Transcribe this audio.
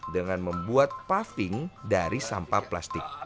dengan membuat paving dari sampah plastik